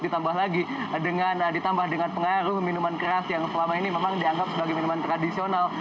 ditambah lagi ditambah dengan pengaruh minuman keras yang selama ini memang dianggap sebagai minuman tradisional